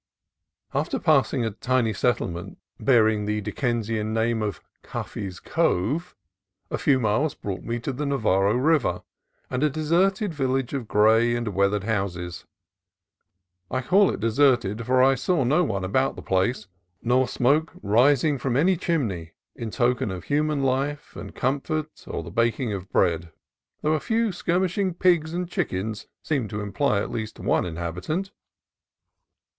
After passing a tiny settlement bearing the Dick ensian name of Cuffey's Cove, a few miles brought me to the Navarro River and a deserted village of gray and weathered houses. I call it deserted, for I saw no one about the place, nor smoke rising from any chimney in token of human life and comfort or the baking of bread ; though a few skirmishing pigs and chickens seemed to imply at least one inhabi tant.